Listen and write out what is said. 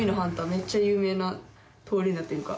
めっちゃ有名な通り名というか。